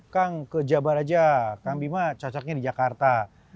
kang ke jabar aja kang bima cocoknya di jakarta